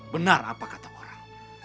benar apa kata orang